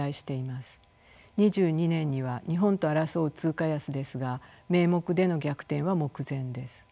２２年には日本と争う通貨安ですが名目での逆転は目前です。